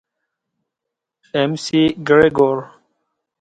اېم سي ګرېګور.